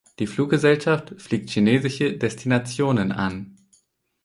Die Fluggesellschaft fliegt chinesische Destinationen an.